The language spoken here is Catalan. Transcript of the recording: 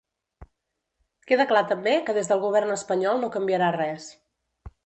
Queda clar també que des del govern espanyol no canviarà res.